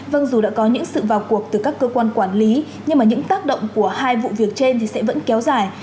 vâng dù đã có những sự vào cuộc từ các cơ quan quản lý nhưng mà những tác động của hai vụ việc trên thì sẽ vẫn kéo dài